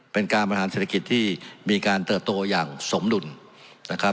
เป็นการบริหารเศรษฐกิจที่มีการเติบโตอย่างสมดุลนะครับ